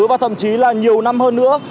và thậm chí là nhiều năm hơn nữa